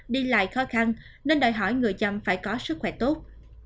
đi lại khó khăn nên đòi hỏi người chăm phải có sức khỏe tốt